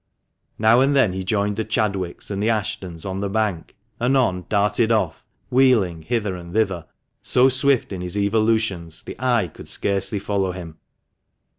Now and then he joined the Chadwicks and the Ashtons on the bank, anon darted off) wheeling hither and thither, so swift in his evolutions, the eye could scarcely follow him.